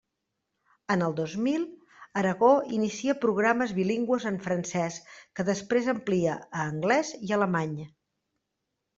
En el dos mil, Aragó inicia programes bilingües en francés, que després amplia a anglés i alemany.